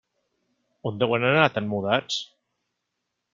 On deuen anar tan mudats.